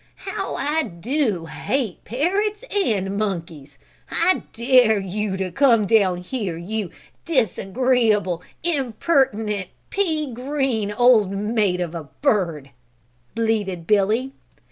"How I do hate parrots and monkeys! I dare you to come down here, you disagreeable, impertinent, pea green, old maid of a bird!" bleated Billy.